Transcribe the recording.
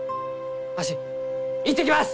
わし行ってきます！